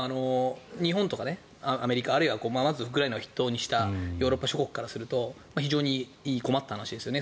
日本とかアメリカあるいはウクライナを筆頭にしたヨーロッパ諸国からすると非常に困った話ですよね。